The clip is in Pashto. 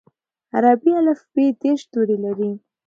عربي الفبې دېرش توري لري.